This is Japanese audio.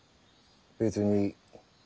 別に。